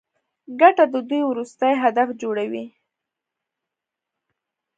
ګټه د دوی وروستی هدف جوړوي